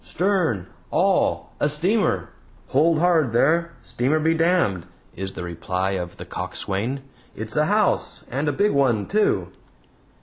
"Stern, all; a steamer!" "Hold hard there! Steamer be damned!" is the reply of the coxswain. "It's a house, and a big one too."